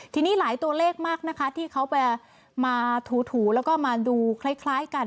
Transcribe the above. ทีนี้หลายตัวเลขมากนะคะที่เขาไปมาถูแล้วก็มาดูคล้ายกัน